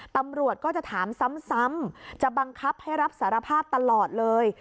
ตำรวจก็จะถามซ้ำจะบังคับให้รับสารภาพตลอดเลย